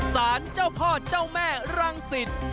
สารเจ้าพ่อเจ้าแม่รังสิต